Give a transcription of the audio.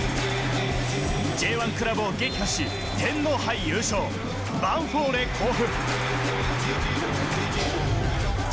Ｊ１クラブを撃破し、天皇杯優勝、ヴァンフォーレ甲府。